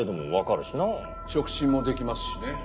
触診もできますしね。